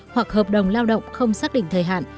hoặc hợp đồng lao động không xác định thời hạn